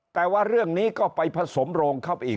แต่ว่าเรื่องนี้ก็ไปผสมโรงเข้าไปอีก